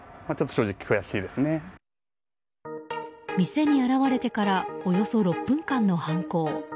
店に現れてからおよそ６分間の犯行。